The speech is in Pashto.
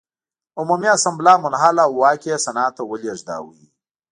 عمومي اسامبله منحل او واک یې سنا ته ولېږداوه.